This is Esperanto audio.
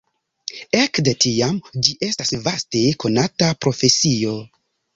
Ekde tiam ĝi estas vaste konata profesio.